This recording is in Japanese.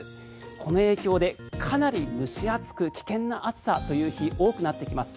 この影響でかなり蒸し暑く危険な暑さという日多くなってきます。